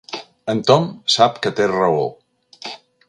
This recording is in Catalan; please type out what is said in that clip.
El Tom sap que té raó.